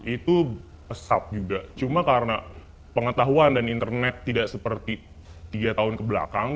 itu pesat juga cuma karena pengetahuan dan internet tidak seperti tiga tahun kebelakang